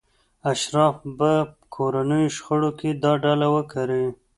اشراف به کورنیو شخړو کې دا ډله وکاروي.